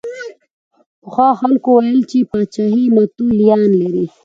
پخوا خلکو ویل چې پاچاهي متولیان لري.